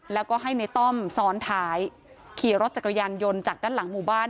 แล้วก็ให้ในต้อมซ้อนท้ายขี่รถจักรยานยนต์จากด้านหลังหมู่บ้าน